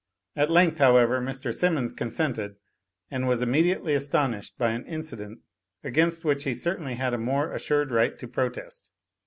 At length, however, Mr. Simmons consented, and was immediately astonished by an incident against which he certainly had a more assured right to protest.